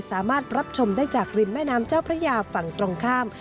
สามารถรับชมได้จากริมแม่น้ำเจ้าพระยาฝั่งตรงข้าม